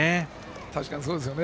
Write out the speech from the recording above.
確かにそうですね。